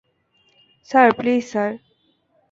Sir please sir.